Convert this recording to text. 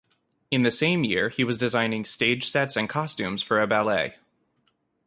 In the same year he was designing stage sets and costumes for a ballet.